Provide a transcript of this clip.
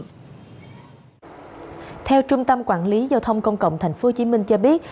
theo trung tâm quản lý giao thông công cộng tp hcm cho biết